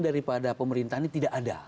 daripada pemerintah ini tidak ada